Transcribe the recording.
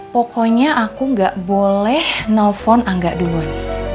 pokoknya aku nggak boleh nelfon angga duluan